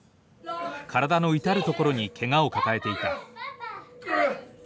体の至る所にけがを抱えていた。